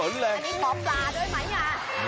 อันนี้ขอปลาด้วยมั้ย